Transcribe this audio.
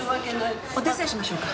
お手伝いしましょうか？